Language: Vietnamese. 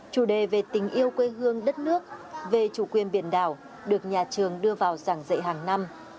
chủ đề về tình yêu quê hương đất nước về chủ quyền biển đảo được nhà trường đưa vào giảng dạy hàng năm